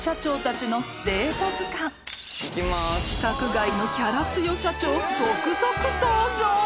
［規格外のキャラ強社長続々登場］